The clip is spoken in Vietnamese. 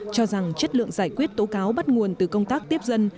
cho rằng chất lượng giải quyết tố cáo bắt nguồn từ công tác tiếp dân